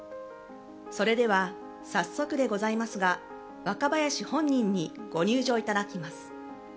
それでは早速でございますが若林本人にご入場いただきます。